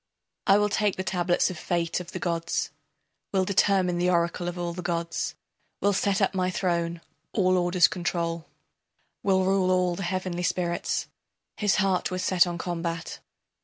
I will take the tablets of fate of the gods, Will determine the oracle of all the gods, Will set up my throne, all orders control, Will rule all the heavenly spirits. His heart was set on combat.